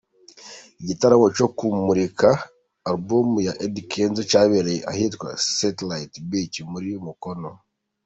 Iki gitaramo cyo kumurika alubumu ya Eddy Kenzo cyabereye ahitwa Satellite Beach muri Mukono.